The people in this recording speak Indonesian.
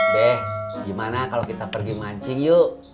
deh gimana kalau kita pergi mancing yuk